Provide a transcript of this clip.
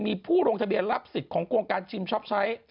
มีผู้ลงทะเบียนรับสิทธิ์ของโครงการชิมช็อปใช้